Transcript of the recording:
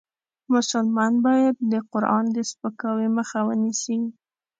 مسلمان باید د قرآن د سپکاوي مخه ونیسي .